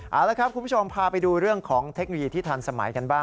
เอาละครับคุณผู้ชมพาไปดูเรื่องของเทคโนโลยีที่ทันสมัยกันบ้าง